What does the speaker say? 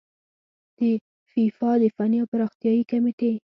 د فیفا د فني او پراختیايي کميټې